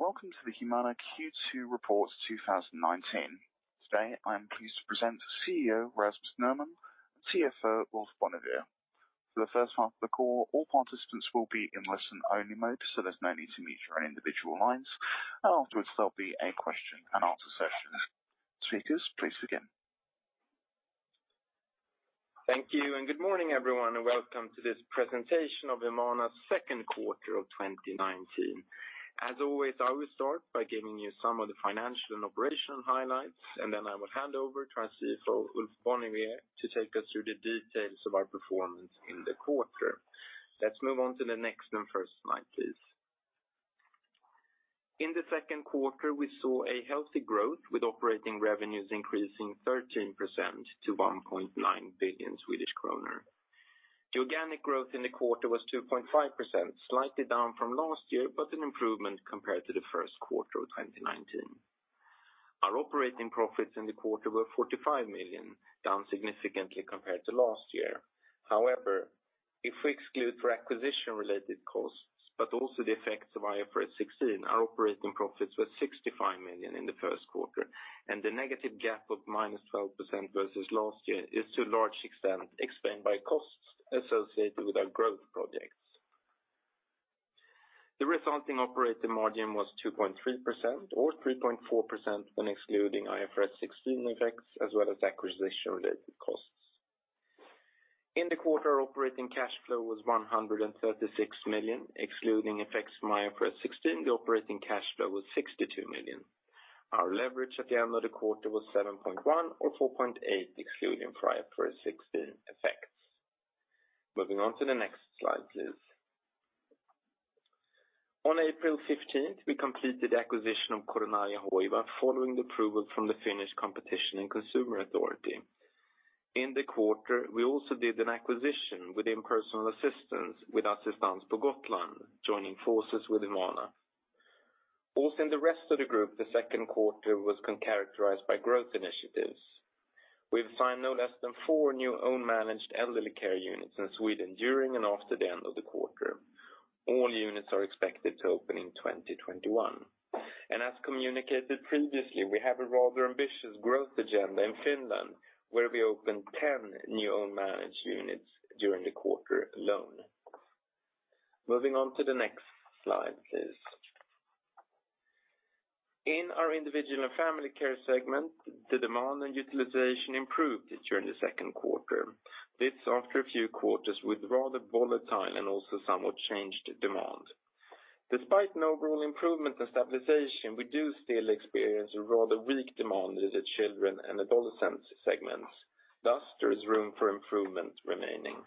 Welcome to the Humana Q2 Report 2019. Today, I am pleased to present CEO Rasmus Nerman and CFO Ulf Bonnevier. For the first half of the call, all participants will be in listen-only mode, there's no need to mute your individual lines. Afterwards, there'll be a question and answer session. Speakers, please begin. Thank you and good morning, everyone, and welcome to this presentation of Humana's second quarter of 2019. As always, I will start by giving you some of the financial and operational highlights, then I will hand over to our CFO, Ulf Bonnevier, to take us through the details of our performance in the quarter. Let's move on to the next and first slide, please. In the second quarter, we saw a healthy growth with operating revenues increasing 13% to 1.9 billion Swedish kronor. The organic growth in the quarter was 2.5%, slightly down from last year, but an improvement compared to the first quarter of 2019. Our operating profits in the quarter were 45 million, down significantly compared to last year. If we exclude for acquisition-related costs, also the effects of IFRS 16, our operating profits were 65 million in the first quarter, the negative gap of minus 12% versus last year is to a large extent explained by costs associated with our growth projects. The resulting operating margin was 2.3% or 3.4% when excluding IFRS 16 effects as well as acquisition-related costs. In the quarter operating cash flow was 136 million. Excluding effects from IFRS 16, the operating cash flow was 62 million. Our leverage at the end of the quarter was 7.1 or 4.8 excluding prior IFRS 16 effects. Moving on to the next slide, please. On April 15th, we completed the acquisition of Coronaria Hoiva following the approval from the Finnish Competition and Consumer Authority. In the quarter, we also did an acquisition within personal assistance with Assistans på Gotland joining forces with Humana. In the rest of the group, the second quarter was characterized by growth initiatives. We've signed no less than four new own managed elderly care units in Sweden during and after the end of the quarter. All units are expected to open in 2021. As communicated previously, we have a rather ambitious growth agenda in Finland, where we opened 10 new own managed units during the quarter alone. Moving on to the next slide, please. In our Individual and Family Care segment, the demand and utilization improved during the second quarter. This after a few quarters with rather volatile and also somewhat changed demand. Despite an overall improvement and stabilization, we do still experience a rather weak demand in the children and adolescents segments. Thus, there is room for improvement remaining.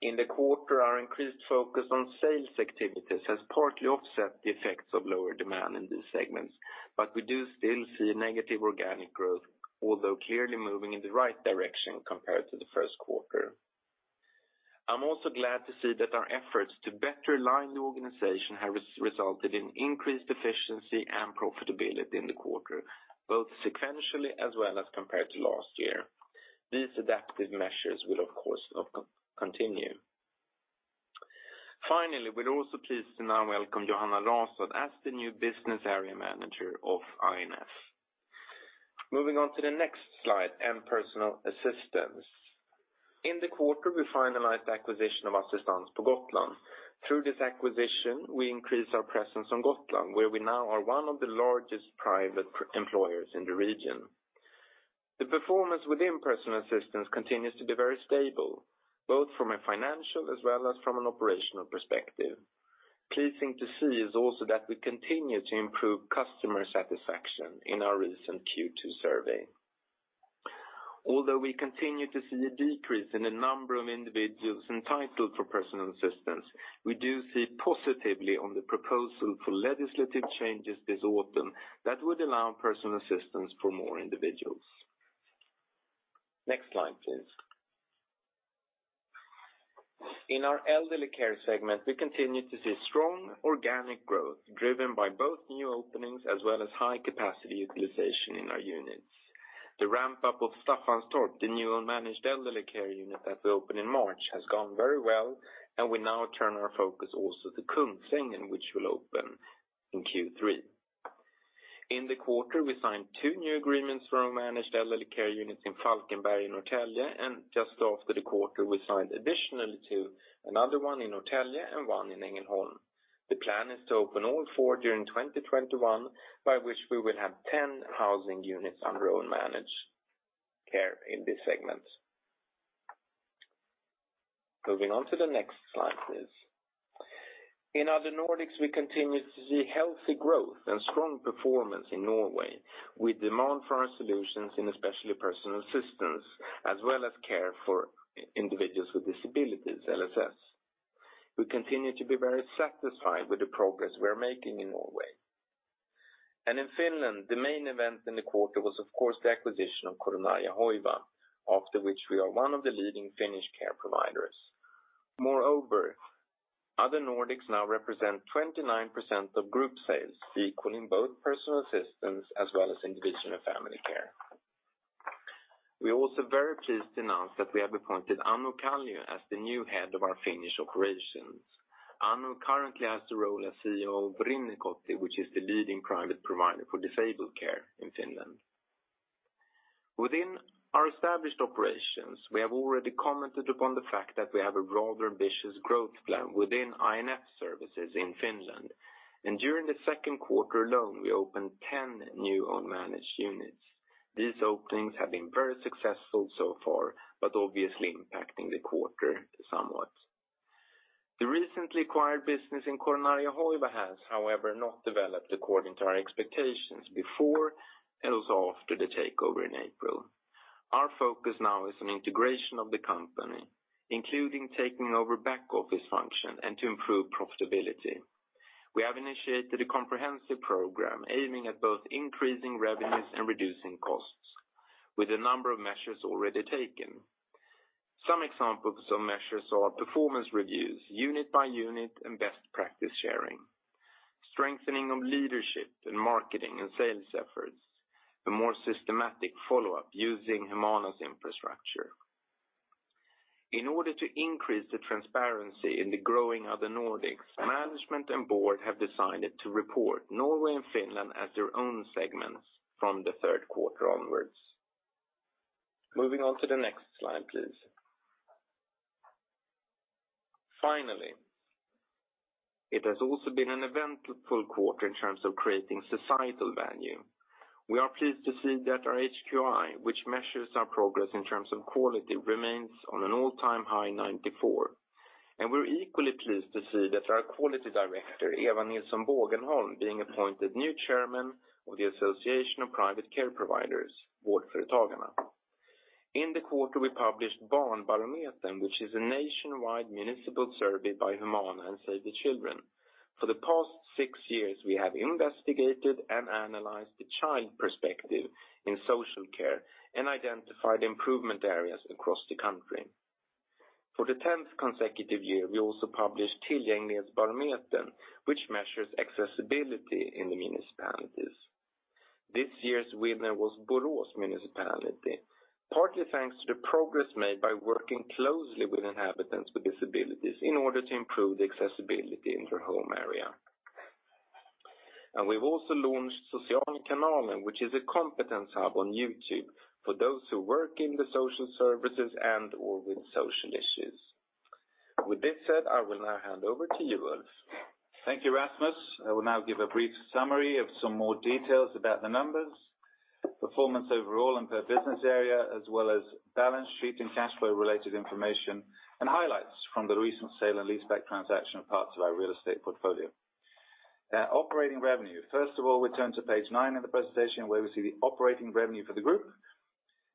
In the quarter, our increased focus on sales activities has partly offset the effects of lower demand in these segments, but we do still see a negative organic growth, although clearly moving in the right direction compared to the first quarter. I'm also glad to see that our efforts to better align the organization have resulted in increased efficiency and profitability in the quarter, both sequentially as well as compared to last year. These adaptive measures will, of course, continue. Finally, we are also pleased to now welcome Johanna Rastad as the new Business Area Manager of I&F. Moving on to the next slide and personal assistance. In the quarter, we finalized the acquisition of Assistans på Gotland. Through this acquisition, we increase our presence on Gotland, where we now are one of the largest private employers in the region. The performance within personal assistance continues to be very stable, both from a financial as well as from an operational perspective. Pleasing to see is also that we continue to improve customer satisfaction in our recent Q2 survey. Although we continue to see a decrease in the number of individuals entitled for personal assistance, we do see positively on the proposal for legislative changes this autumn that would allow personal assistance for more individuals. Next slide, please. In our elderly care segment, we continue to see strong organic growth driven by both new openings as well as high capacity utilization in our units. The ramp-up of Staffanstorp, the new managed elderly care unit that we opened in March, has gone very well, and we now turn our focus also to Kungsängen, which will open in Q3. In the quarter, we signed two new agreements for our managed elderly care units in Falkenberg and Norrtälje, and just after the quarter, we signed additional to another one in Norrtälje and one in Ängelholm. The plan is to open all four during 2021, by which we will have 10 housing units under our managed care in this segment. Moving on to the next slide, please. In Other Nordics, we continue to see healthy growth and strong performance in Norway with demand for our solutions in especially personal assistance as well as care for individuals with disabilities, LSS. We continue to be very satisfied with the progress we are making in Norway. In Finland, the main event in the quarter was, of course, the acquisition of Coronaria Hoiva, after which we are one of the leading Finnish care providers. Moreover, Other Nordics now represent 29% of group sales, equaling both personal assistance as well as individual and family care. We are also very pleased to announce that we have appointed Anu Kallio as the new head of our Finnish operations. Anu currently has the role as CEO of Rinnekodit, which is the leading private provider for disabled care in Finland. Within our established operations, we have already commented upon the fact that we have a rather ambitious growth plan within I&F services in Finland. During the second quarter alone, we opened 10 new own managed units. These openings have been very successful so far, but obviously impacting the quarter somewhat. The recently acquired business in Coronaria Hoiva has, however, not developed according to our expectations before or after the takeover in April. Our focus now is on integration of the company, including taking over back office function and to improve profitability. We have initiated a comprehensive program aiming at both increasing revenues and reducing costs, with a number of measures already taken. Some examples of measures are performance reviews, unit by unit, and best practice sharing, strengthening of leadership in marketing and sales efforts, a more systematic follow-up using Humana's infrastructure. In order to increase the transparency in the Other Nordics, management and board have decided to report Norway and Finland as their own segments from the third quarter onwards. Moving on to the next slide, please. Finally, it has also been an eventful quarter in terms of creating societal value. We are pleased to see that our HQI, which measures our progress in terms of quality, remains on an all-time high 94. We are equally pleased to see that our quality director, Eva Nilsson Bågenholm, being appointed new chairman of the Association of Private Care Providers, Vårdföretagarna. In the quarter, we published Barnbarometern, which is a nationwide municipal survey by Humana and Save the Children. For the past six years, we have investigated and analyzed the child perspective in social care and identified improvement areas across the country. For the 10th consecutive year, we also published Tillgänglighetsbarometern, which measures accessibility in the municipalities. This year's winner was Borås Municipality, partly thanks to the progress made by working closely with inhabitants with disabilities in order to improve the accessibility in their home area. We've also launched Socialkanalen, which is a competence hub on YouTube for those who work in the social services and/or with social issues. With this said, I will now hand over to you, Ulf. Thank you, Rasmus. I will now give a brief summary of some more details about the numbers, performance overall and per business area, as well as balance sheet and cash flow-related information, and highlights from the recent sale and leaseback transaction of parts of our real estate portfolio. Operating revenue. First of all, we turn to page nine of the presentation where we see the operating revenue for the group.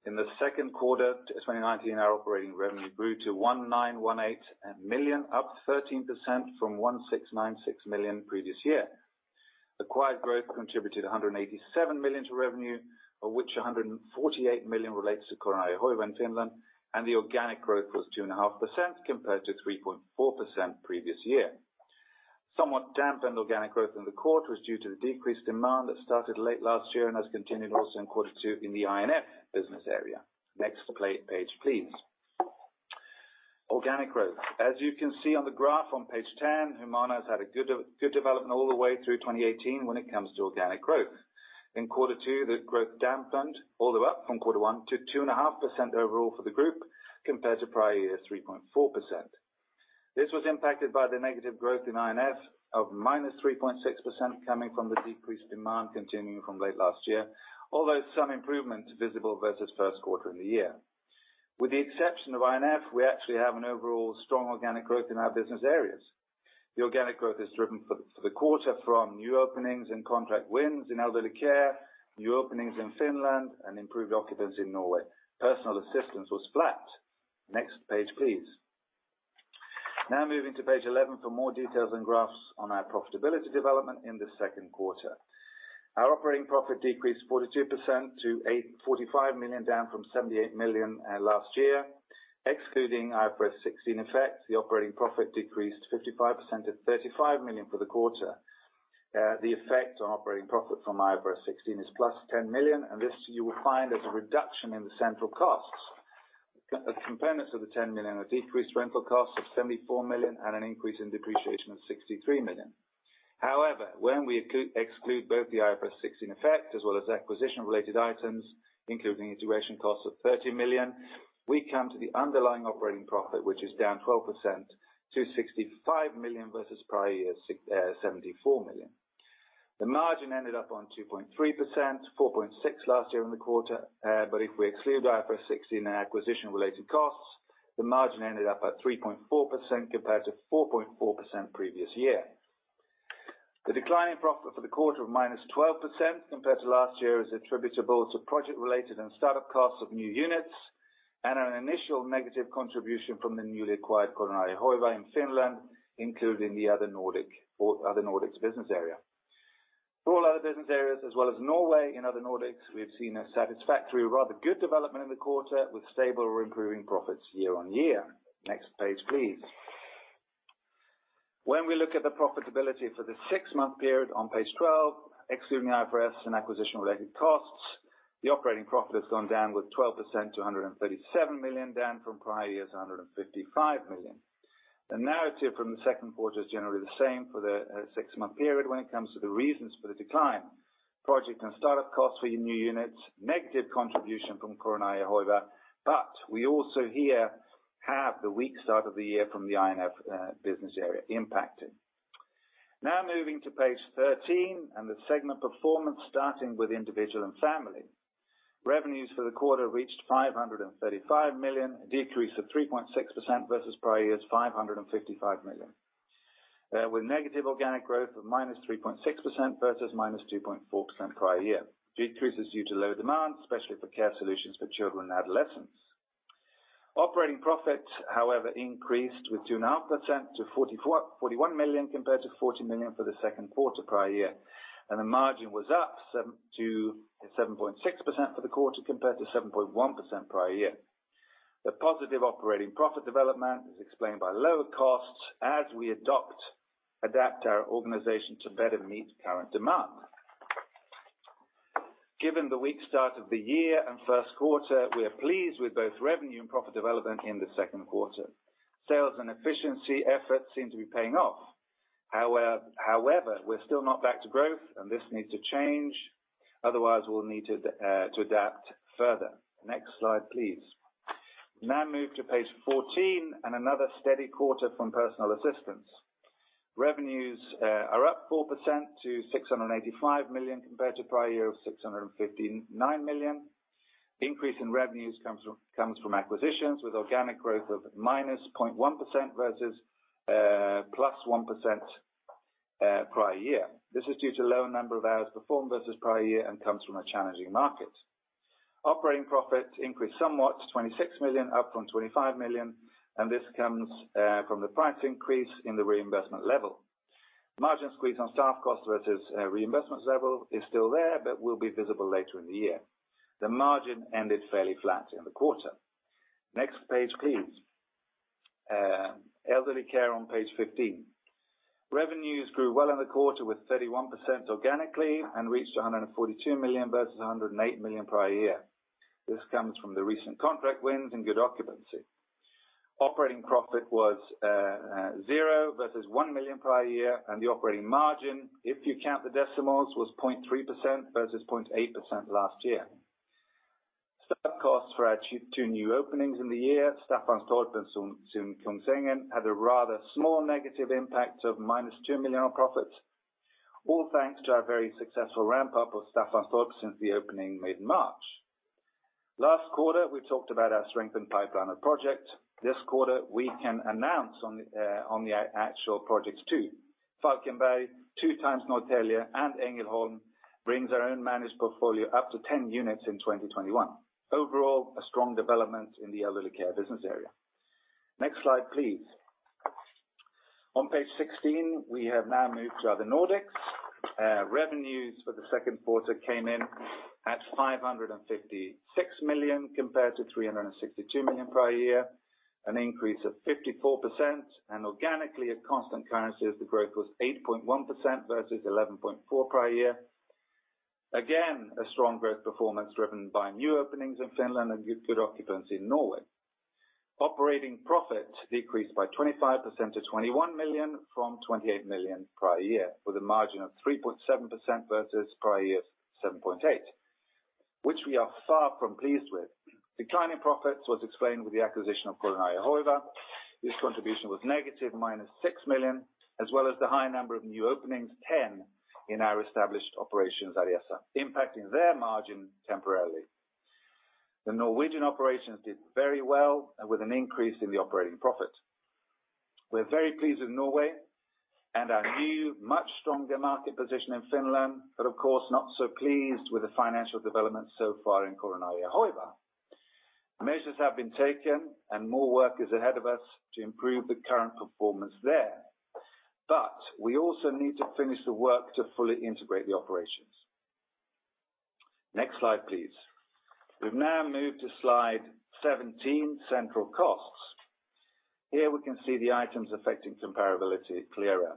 In the second quarter 2019, our operating revenue grew to 1,918 million, up 13% from 1,696 million previous year. Acquired growth contributed 187 million to revenue, of which 148 million relates to Coronaria Hoiva in Finland, and the organic growth was 2.5% compared to 3.4% previous year. Somewhat dampened organic growth in the quarter was due to the decreased demand that started late last year and has continued also in quarter two in the I&F business area. Next page, please. Organic growth. As you can see on the graph on page 10, Humana has had a good development all the way through 2018 when it comes to organic growth. In quarter two, the growth dampened all the way up from quarter one to 2.5% overall for the group compared to prior year's 3.4%. This was impacted by the negative growth in I&F of minus 3.6% coming from the decreased demand continuing from late last year, although some improvement visible versus first quarter of the year. With the exception of I&F, we actually have an overall strong organic growth in our business areas. The organic growth is driven for the quarter from new openings and contract wins in elderly care, new openings in Finland, and improved occupancy in Norway. Personal assistance was flat. Next page, please. Now moving to page 11 for more details and graphs on our profitability development in the second quarter. Our operating profit decreased 42% to 45 million, down from 78 million last year. Excluding IFRS 16 effects, the operating profit decreased 55% at 35 million for the quarter. The effect on operating profit from IFRS 16 is plus 10 million, and this you will find as a reduction in the central costs. The components of the 10 million are decreased rental costs of 74 million and an increase in depreciation of 63 million. However, when we exclude both the IFRS 16 effect as well as acquisition-related items, including integration costs of 30 million, we come to the underlying operating profit, which is down 12% to 65 million versus prior year's 74 million. The margin ended up on 2.3%, 4.6% last year in the quarter. If we exclude IFRS 16 and acquisition-related costs, the margin ended up at 3.4% compared to 4.4% previous year. The decline in profit for the quarter of minus 12% compared to last year is attributable to project-related and startup costs of new units and an initial negative contribution from the newly acquired Coronaria Hoiva in Finland, including the Other Nordics business area. For all other business areas as well as Norway in Other Nordics, we have seen a satisfactory rather good development in the quarter with stable or improving profits year-on-year. Next page, please. When we look at the profitability for the six-month period on page 12, excluding the IFRS and acquisition-related costs, the operating profit has gone down with 12% to 137 million, down from prior year's 155 million. The narrative from the second quarter is generally the same for the six-month period when it comes to the reasons for the decline. Project and start-up costs for your new units, negative contribution from Coronaria Hoiva, we also here have the weak start of the year from the I&F business area impacted. Now moving to page 13 and the segment performance, starting with individual and family. Revenues for the quarter reached 535 million, a decrease of 3.6% versus prior year's 555 million. With negative organic growth of -3.6% versus -2.4% prior year. Decrease is due to low demand, especially for care solutions for children and adolescents. Operating profit, however, increased with 2.5% to 41 million compared to 40 million for the second quarter prior year, and the margin was up to 7.6% for the quarter compared to 7.1% prior year. The positive operating profit development is explained by lower costs as we adapt our organization to better meet current demand. Given the weak start of the year and first quarter, we are pleased with both revenue and profit development in the second quarter. Sales and efficiency efforts seem to be paying off. We're still not back to growth, and this needs to change. Otherwise, we'll need to adapt further. Next slide, please. Now move to page 14 and another steady quarter from personal assistance. Revenues are up 4% to 685 million compared to prior year of 659 million. Increase in revenues comes from acquisitions with organic growth of -0.1% versus +1% prior year. This is due to lower number of hours performed versus prior year and comes from a challenging market. Operating profit increased somewhat to 26 million, up from 25 million. This comes from the price increase in the reinvestment level. Margin squeeze on staff cost versus reinvestment level is still there but will be visible later in the year. The margin ended fairly flat in the quarter. Next page, please. Elderly care on page 15. Revenues grew well in the quarter with 31% organically and reached 142 million versus 108 million prior year. This comes from the recent contract wins and good occupancy. Operating profit was zero versus 1 million prior year, and the operating margin, if you count the decimals, was 0.3% versus 0.8% last year. Start-up costs for our two new openings in the year, Staffanstorp and Kungsängen, had a rather small negative impact of -2 million on profits, all thanks to our very successful ramp-up of Staffanstorp since the opening mid-March. Last quarter, we talked about our strengthened pipeline of projects. This quarter, we can announce on the actual projects too. Falkenberg, two times Norrtälje, and Ängelholm brings our own managed portfolio up to 10 units in 2021. Overall, a strong development in the elderly care business area. Next slide, please. On page 16, we have now moved to Other Nordics. Revenues for the second quarter came in at 556 million compared to 362 million prior year, an increase of 54%. Organically at constant currency, the growth was 8.1% versus 11.4% prior year. Again, a strong growth performance driven by new openings in Finland and good occupancy in Norway. Operating profit decreased by 25% to 21 million from 28 million prior year with a margin of 3.7% versus prior year's 7.8%, which we are far from pleased with. Decline in profits was explained with the acquisition of Coronaria Hoiva. This contribution was negative, -6 million, as well as the high number of new openings, 10, in our established operations, Arjessa, impacting their margin temporarily. The Norwegian operations did very well with an increase in the operating profit. We are very pleased with Norway and our new, much stronger market position in Finland. Of course, not so pleased with the financial development so far in Coronaria Hoiva. Measures have been taken. More work is ahead of us to improve the current performance there. We also need to finish the work to fully integrate the operations. Next slide, please. We've now moved to slide 17, central costs. Here we can see the items affecting comparability clearer.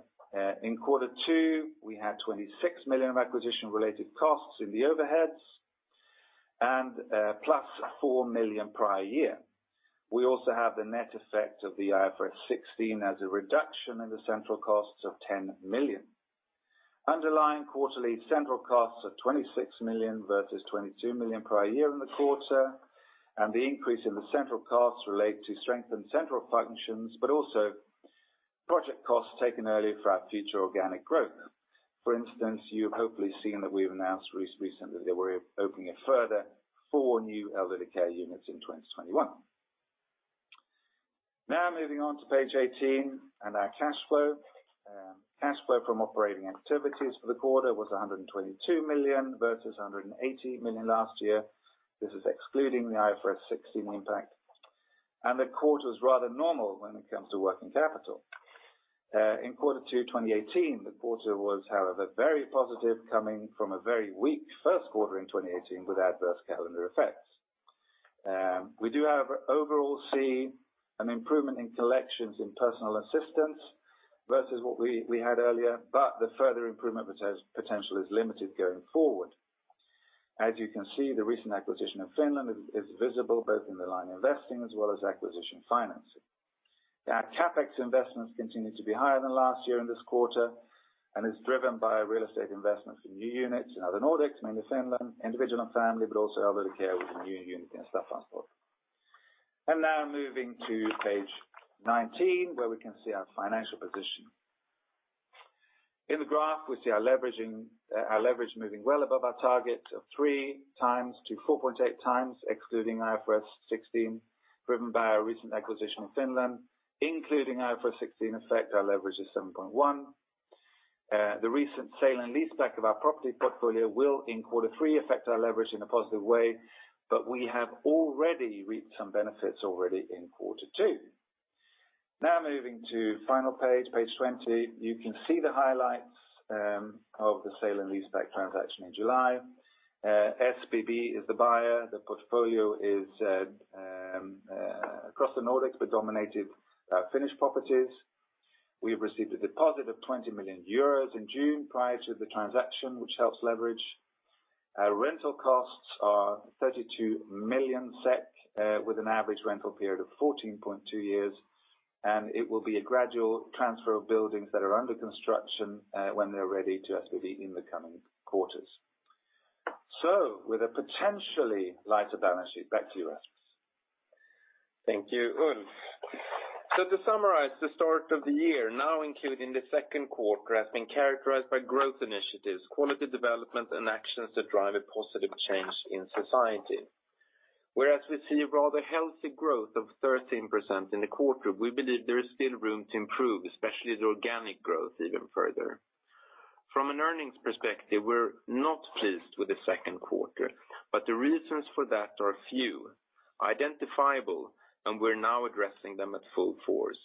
In quarter two, we had 26 million of acquisition-related costs in the overheads plus 4 million prior year. We also have the net effect of the IFRS 16 as a reduction in the central costs of 10 million. Underlying quarterly central costs are 26 million versus 22 million prior year in the quarter. The increase in the central costs relate to strengthened central functions, also project costs taken earlier for our future organic growth. For instance, you have hopefully seen that we've announced recently that we're opening a further four new elderly care units in 2021. Now moving on to page 18 and our cash flow. Cash flow from operating activities for the quarter was 122 million versus 118 million last year. This is excluding the IFRS 16 impact. The quarter is rather normal when it comes to working capital. In quarter two 2018, the quarter was, however, very positive coming from a very weak first quarter in 2018 with adverse calendar effects. We do have overall seen an improvement in collections in personal assistance versus what we had earlier, but the further improvement potential is limited going forward. As you can see, the recent acquisition of Finland is visible both in the line investing as well as acquisition financing. Our CapEx investments continue to be higher than last year in this quarter, and is driven by real estate investments in new units in Other Nordics, mainly Finland, Individual & Family, but also elderly care within new units in Staffanstorp. I am now moving to page 19 where we can see our financial position. In the graph, we see our leverage moving well above our target of 3 times to 4.8 times excluding IFRS 16, driven by our recent acquisition in Finland. Including IFRS 16 effect, our leverage is 7.1. The recent sale and leaseback of our property portfolio will, in quarter three, affect our leverage in a positive way, but we have already reaped some benefits already in quarter two. Now moving to final page 20. You can see the highlights of the sale and leaseback transaction in July. SBB is the buyer. The portfolio is across the Nordics, but dominated Finnish properties. We have received a deposit of 20 million euros in June prior to the transaction, which helps leverage. Our rental costs are 32 million SEK, with an average rental period of 14.2 years, and it will be a gradual transfer of buildings that are under construction when they are ready to SBB in the coming quarters. With a potentially lighter balance sheet, back to you, Rasmus. Thank you, Ulf. To summarize the start of the year, now including the second quarter, has been characterized by growth initiatives, quality development, and actions that drive a positive change in society. Whereas we see a rather healthy growth of 13% in the quarter, we believe there is still room to improve, especially the organic growth even further. From an earnings perspective, we are not pleased with the second quarter, but the reasons for that are few, identifiable, and we are now addressing them at full force.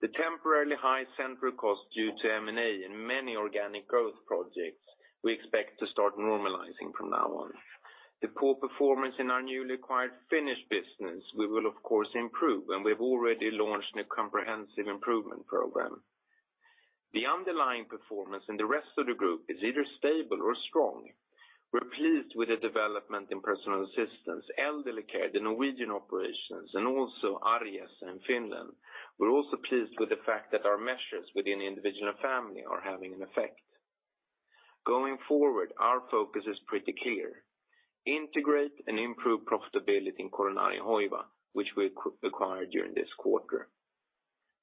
The temporarily high central cost due to M&A and many organic growth projects, we expect to start normalizing from now on. The poor performance in our newly acquired Finnish business, we will of course improve, and we have already launched a comprehensive improvement program. The underlying performance in the rest of the group is either stable or strong. We are pleased with the development in personal assistance, elderly care, the Norwegian operations, and also Arjessa in Finland. We are also pleased with the fact that our measures within Individual & Family are having an effect. Going forward, our focus is pretty clear: integrate and improve profitability in Coronaria Hoiva, which we acquired during this quarter.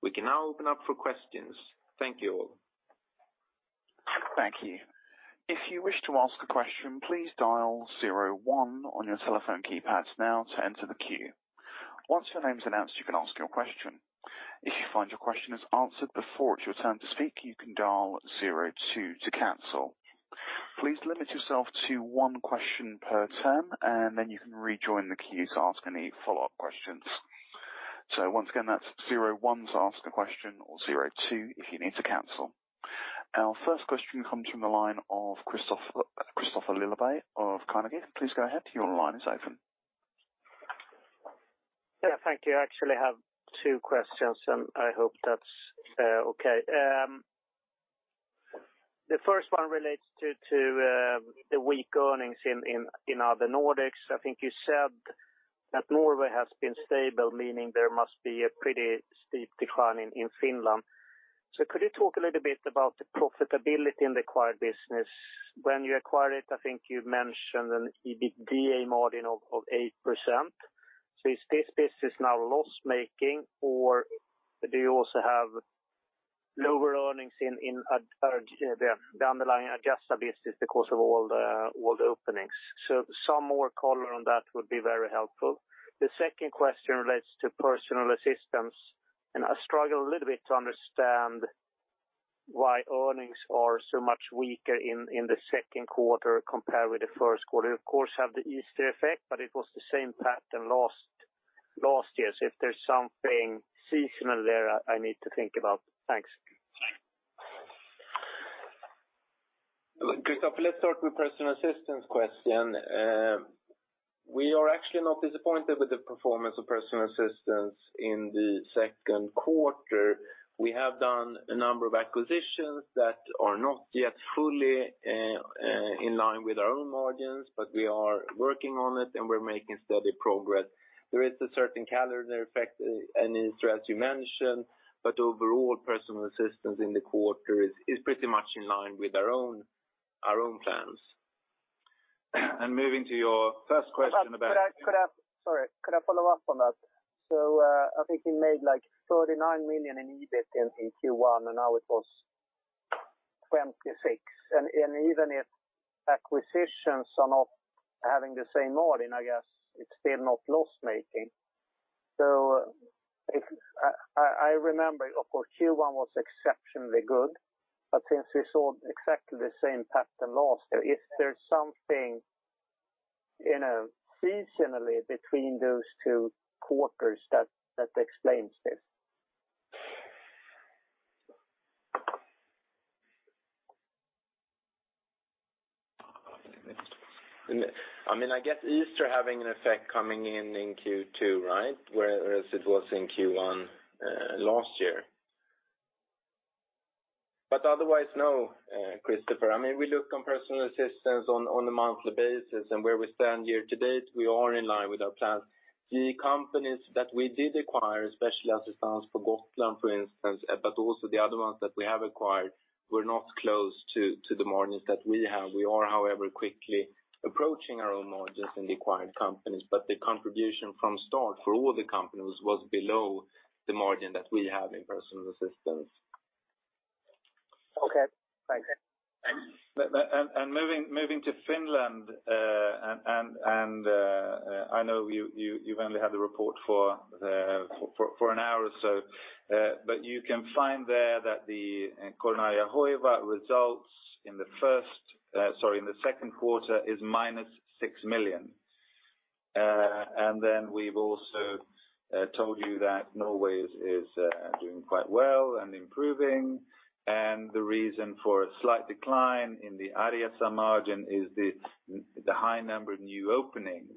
We can now open up for questions. Thank you all. Thank you. If you wish to ask a question, please dial zero one on your telephone keypads now to enter the queue. Once your name is announced, you can ask your question. If you find your question is answered before it's your turn to speak, you can dial zero two to cancel. Please limit yourself to one question per turn, then you can rejoin the queue to ask any follow-up questions. Once again, that's zero one to ask a question or zero two if you need to cancel. Our first question comes from the line of Christofer Lilja of Carnegie. Please go ahead. Your line is open. Yeah, thank you. I actually have two questions, I hope that's okay. The first one relates to the weak earnings in Other Nordics. I think you said that Norway has been stable, meaning there must be a pretty steep decline in Finland. Could you talk a little bit about the profitability in the acquired business? When you acquired it, I think you mentioned an EBITDA margin of 8%. Is this business now loss-making or do you also have lower earnings in the underlying Arjessa business because of all the openings? Some more color on that would be very helpful. The second question relates to personal assistance, I struggle a little bit to understand why earnings are so much weaker in the second quarter compared with the first quarter. Of course, we have the Easter effect, but it was the same pattern last year. If there's something seasonal there I need to think about. Thanks. Christofer, let's start with personal assistance question. We are actually not disappointed with the performance of personal assistance in the second quarter. We have done a number of acquisitions that are not yet fully in line with our own margins, but we are working on it and we're making steady progress. There is a certain calendar effect and Easter you mentioned, but overall personal assistance in the quarter is pretty much in line with our own plans. Moving to your first question about- Sorry, could I follow up on that? I think you made 39 million in EBIT in Q1, and now it was 26 million. Even if acquisitions are not having the same margin, I guess it is still not loss-making. I remember, of course, Q1 was exceptionally good, but since we saw exactly the same pattern last year, if there is something seasonally between those two quarters that explains this? I get Easter having an effect coming in in Q2, whereas it was in Q1 last year. Otherwise, no, Christofer. We look on personal assistants on a monthly basis and where we stand year to date, we are in line with our plans. The companies that we did acquire, especially Assistans på Gotland, for instance, but also the other ones that we have acquired, were not close to the margins that we have. We are, however, quickly approaching our own margins in the acquired companies, but the contribution from start for all the companies was below the margin that we have in personal assistance. Okay. Thanks. Moving to Finland, and I know you have only had the report for an hour or so, but you can find there that the Coronaria Hoiva results in the second quarter is minus 6 million. Then we have also told you that Norway is doing quite well and improving. The reason for a slight decline in the Arjessa margin is the high number of new openings,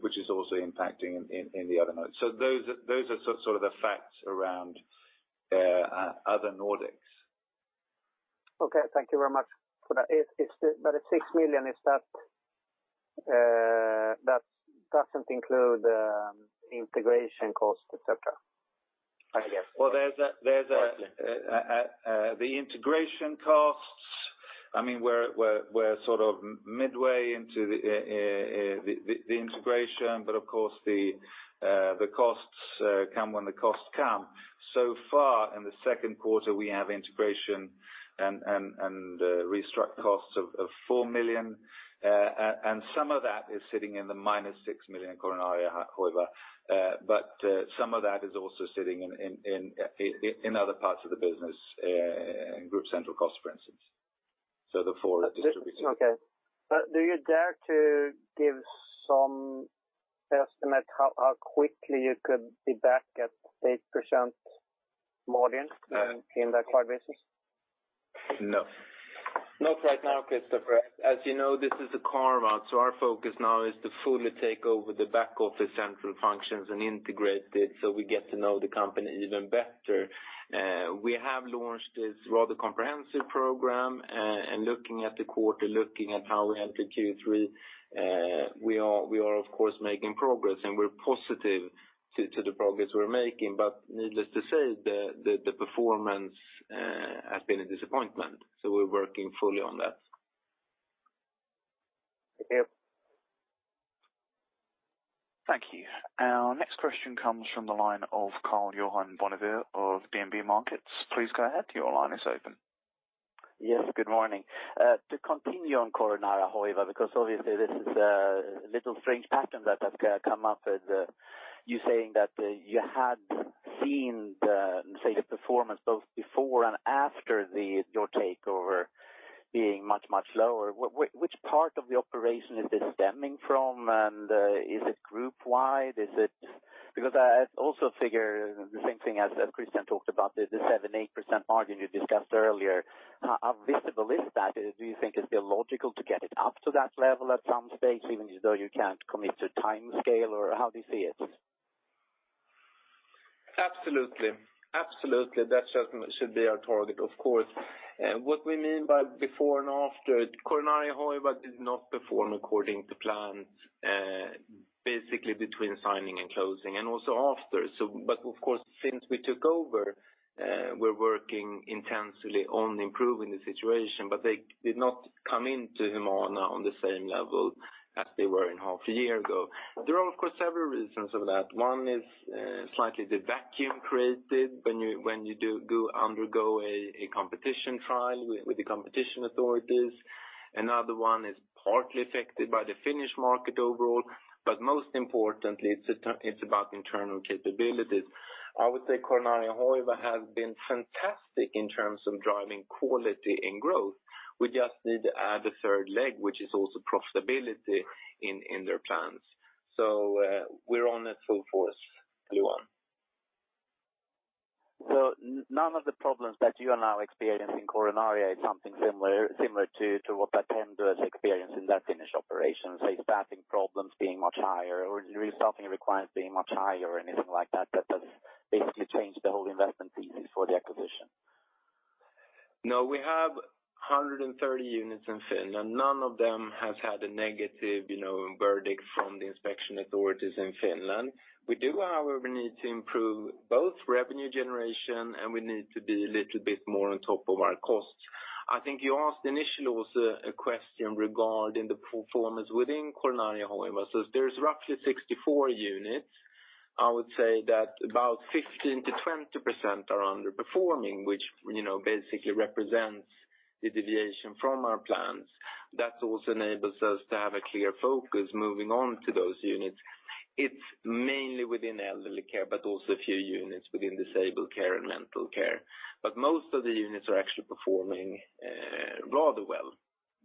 which is also impacting in the Other Nordics. Those are sort of the facts around Other Nordics. Okay. Thank you very much for that. At SEK 6 million, that doesn't include integration cost, et cetera, I guess. The integration costs, we're sort of midway into the integration, of course, the costs come when the costs come. Far in the second quarter, we have integration and restruct costs of 4 million, and some of that is sitting in the minus 6 million Coronaria Hoiva. Some of that is also sitting in other parts of the business, in Group Central Cost, for instance. The 4 are distributed. Okay. Do you dare to give some estimate how quickly you could be back at 8% margin in the acquired business? No. Not right now, Christofer. As you know, this is a carve-out, our focus now is to fully take over the back office central functions and integrate it we get to know the company even better. We have launched this rather comprehensive program, looking at the quarter, looking at how we enter Q3, we are of course making progress, we're positive to the progress we're making. Needless to say, the performance has been a disappointment, we're working fully on that. Thank you. Thank you. Our next question comes from the line of Karl-Johan Bonnevier of DNB Markets. Please go ahead. Your line is open. Yes, good morning. To continue on Coronaria Hoiva, obviously this is a little strange pattern that has come up with you saying that you had seen the, say the performance both before and after your takeover being much, much lower. Which part of the operation is this stemming from, and is it group-wide? I also figure the same thing as Christofer talked about, the 7%-8% margin you discussed earlier. How visible is that? Do you think it's illogical to get it up to that level at some stage, even though you can't commit to timescale? Or how do you see it? Absolutely. That should be our target, of course. What we mean by before and after, Coronaria Hoiva did not perform according to plan, basically between signing and closing, and also after. Of course, since we took over, we're working intensely on improving the situation. They did not come into Humana on the same level as they were in half a year ago. There are, of course, several reasons for that. One is slightly the vacuum created when you undergo a competition trial with the competition authorities. Another one is partly affected by the Finnish market overall. Most importantly, it's about internal capabilities. I would say Coronaria Hoiva has been fantastic in terms of driving quality and growth. We just need to add a third leg, which is also profitability in their plans. We're on it full force, Karl-Johan. None of the problems that you are now experiencing Coronaria is something similar to what Attendo has experienced in their Finnish operations, say staffing problems being much higher or resourcing requirements being much higher or anything like that has basically changed the whole investment thesis for the acquisition? No, we have 130 units in Finland. None of them has had a negative verdict from the inspection authorities in Finland. We do, however, need to improve both revenue generation, and we need to be a little bit more on top of our costs. I think you asked initially also a question regarding the performance within Coronaria Hoiva. There's roughly 64 units. I would say that about 15%-20% are underperforming, which basically represents the deviation from our plans. That also enables us to have a clear focus moving on to those units. It's mainly within elderly care, but also a few units within disabled care and mental care. Most of the units are actually performing rather well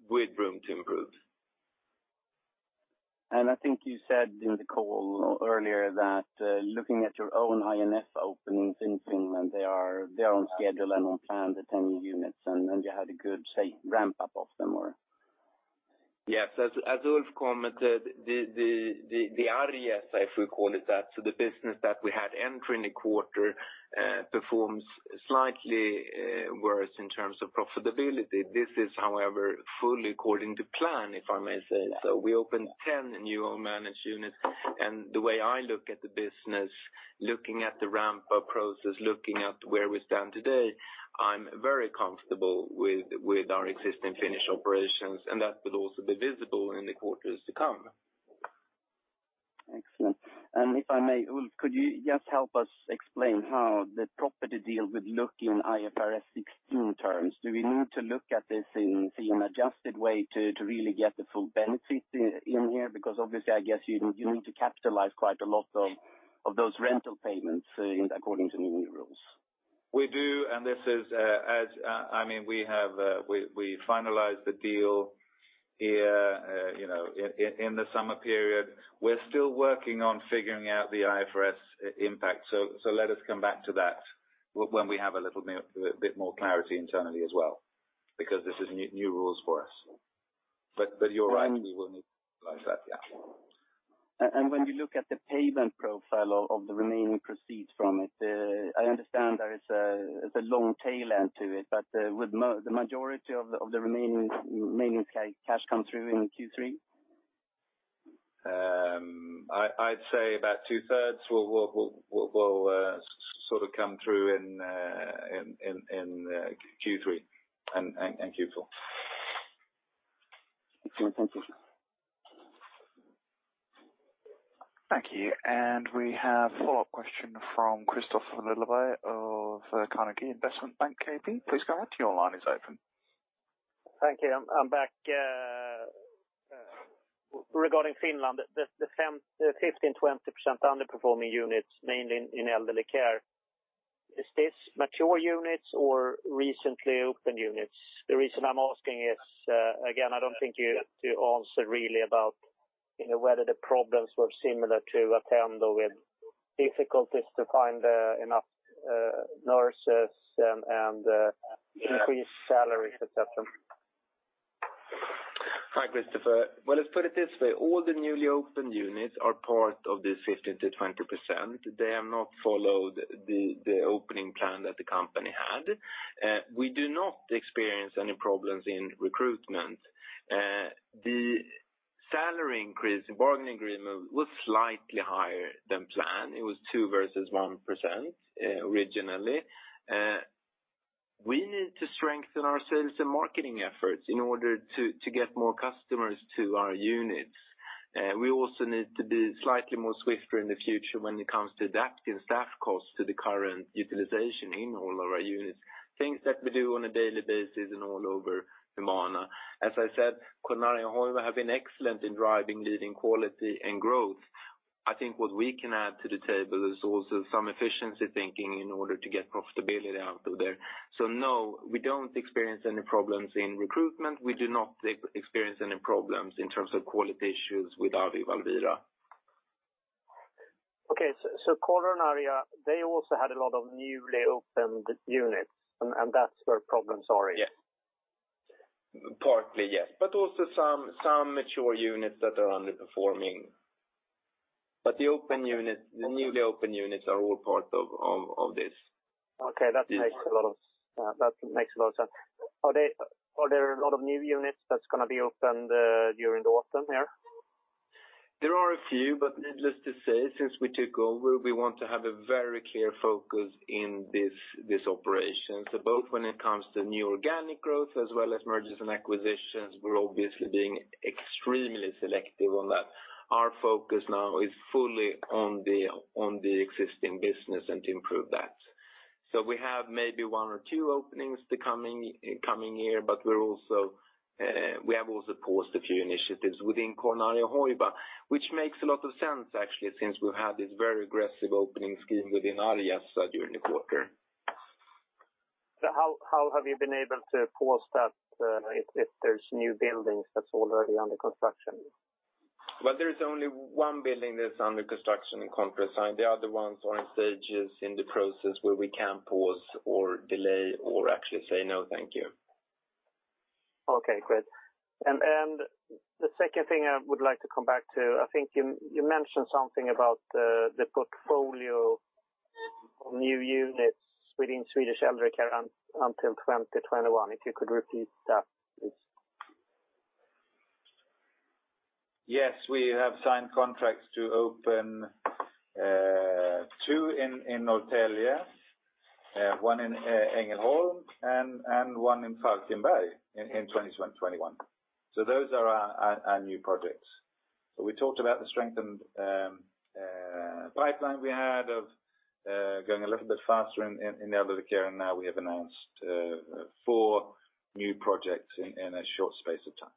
with room to improve. I think you said in the call earlier that looking at your own I&F openings in Finland, they are on schedule and on plan, the 10 new units, and you had a good ramp-up of them. Yes. As Ulf commented, the Arjessa, if we call it that, the business that we had entering the quarter performs slightly worse in terms of profitability. This is, however, fully according to plan, if I may say. We opened 10 new own managed units. The way I look at the business, looking at the ramp-up process, looking at where we stand today, I'm very comfortable with our existing Finnish operations. That will also be visible in the quarters to come. Excellent. If I may, Ulf, could you just help us explain how the property deal would look in IFRS 16 terms? Do we need to look at this in an adjusted way to really get the full benefit in here? Obviously, I guess you need to capitalize quite a lot of those rental payments according to the new rules. We do, we finalized the deal here in the summer period. We're still working on figuring out the IFRS impact. Let us come back to that when we have a little bit more clarity internally as well, this is new rules for us. You're right, we will need to capitalize that. Yeah. When you look at the payment profile of the remaining proceeds from it, I understand there is a long tail end to it, would the majority of the remaining cash come through in Q3? I'd say about two-thirds will come through in Q3 and Q4. Excellent. Thank you. Thank you. We have a follow-up question from Christofer Lilja of Carnegie Investment Bank AB. Please go ahead. Your line is open. Thank you. I'm back. Regarding Finland, the 15%-20% underperforming units, mainly in elderly care. Is this mature units or recently opened units? The reason I'm asking is, again, I don't think you answer really about whether the problems were similar to Attendo with difficulties to find enough nurses and increased salaries, et cetera. Hi, Christofer. Let's put it this way. All the newly opened units are part of this 15%-20%. They have not followed the opening plan that the company had. We do not experience any problems in recruitment. The salary increase bargaining agreement was slightly higher than planned. It was two versus one percent, originally. We need to strengthen our sales and marketing efforts in order to get more customers to our units. We also need to be slightly more swifter in the future when it comes to adapting staff costs to the current utilization in all of our units, things that we do on a daily basis and all over Humana. As I said, Coronaria Hoiva have been excellent in driving leading quality and growth. I think what we can add to the table is also some efficiency thinking in order to get profitability out of there. no, we don't experience any problems in recruitment. We do not experience any problems in terms of quality issues with Valvira. Okay. Coronaria, they also had a lot of newly opened units, and that's where problems are. Yes. Partly, yes. Also some mature units that are underperforming. The newly opened units are all part of this. Okay. That makes a lot of sense. Are there a lot of new units that's going to be opened during the autumn here? Needless to say, since we took over, we want to have a very clear focus in this operation. Both when it comes to new organic growth as well as mergers and acquisitions, we are obviously being extremely selective on that. Our focus now is fully on the existing business and to improve that. We have maybe one or two openings the coming year, but we have also paused a few initiatives within Coronaria Hoiva, which makes a lot of sense actually, since we had this very aggressive opening scheme within Arjessa during the quarter. How have you been able to pause that if there's new buildings that's already under construction? Well, there is only one building that's under construction in contrast. The other ones are in stages in the process where we can pause or delay or actually say "No, thank you. The second thing I would like to come back to, I think you mentioned something about the portfolio of new units within Swedish elderly care until 2021. If you could repeat that, please. Yes, we have signed contracts to open two in Norrtälje, one in Ängelholm, and one in Falkenberg in 2021. Those are our new projects. We talked about the strengthened pipeline we had of going a little bit faster in elderly care, now we have announced four new projects in a short space of time.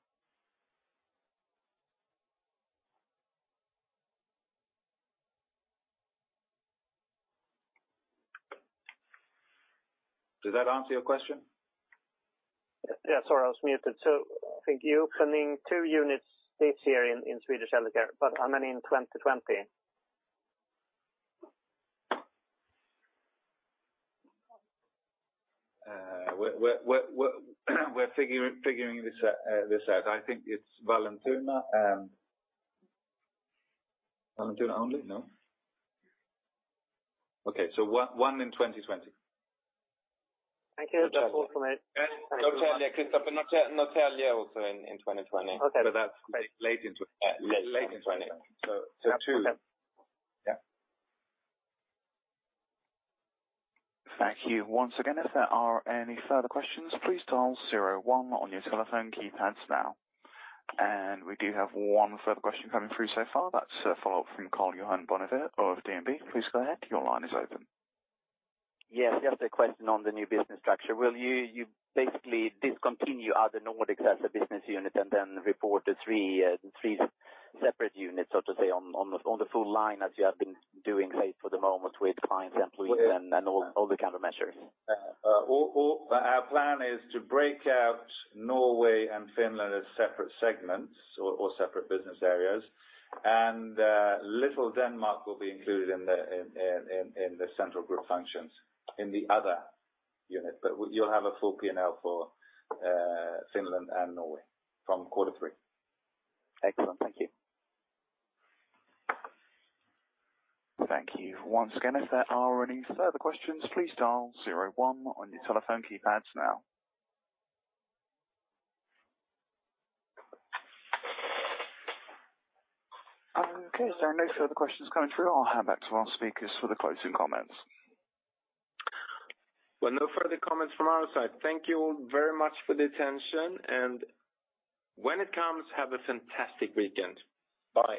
Does that answer your question? Yeah. Sorry, I was muted. I think you're opening two units this year in Swedish healthcare, how many in 2020? We're figuring this out. I think it's Vallentuna. Vallentuna only? No. Okay, one in 2020. Thank you. That's all from me. Christofer, Norrtälje also in 2020. Okay. That's late in 2020. Late in 2020. Two. Yeah. Thank you once again. If there are any further questions, please dial zero one on your telephone keypads now. We do have one further question coming through so far. That's a follow-up from Karl-Johan Bonnevier of DNB. Please go ahead. Your line is open. Yes, just a question on the new business structure. Will you basically discontinue Other Nordics as a business unit and then report the three separate units, so to say, on the full line as you have been doing for the moment with clients and Sweden and all the countries? Our plan is to break out Norway and Finland as separate segments or separate business areas. Little Denmark will be included in the central group functions in the other unit. You'll have a full P&L for Finland and Norway from quarter three. Excellent. Thank you. Thank you once again. If there are any further questions, please dial zero one on your telephone keypads now. Okay, as there are no further questions coming through, I will hand back to our speakers for the closing comments. Well, no further comments from our side. Thank you all very much for the attention, and when it comes, have a fantastic weekend. Bye.